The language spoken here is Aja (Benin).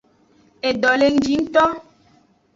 Edo le ngji ngto.